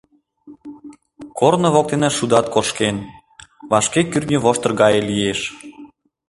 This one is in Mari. — Корно воктене шудат кошкен, вашке кӱртньӧ воштыр гае лиеш.